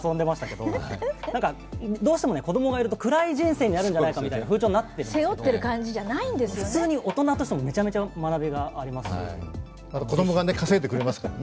どうしても子供がいると暗い人生になるんじゃないかみたいな風潮がありますけど、普通に大人としてもめちゃめちゃ学びがありますよね。